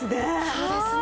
そうですね。